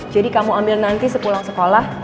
jadi kamu ambil nanti sepulang sekolah